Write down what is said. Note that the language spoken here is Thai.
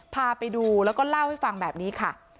พาไปดูแล้วก็เล่าให้ฟังแบบนี้ค่ะ